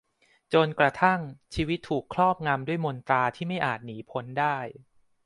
จนกระทั่งชีวิตถูกครอบงำด้วยมนตราที่ไม่อาจหนีพ้นได้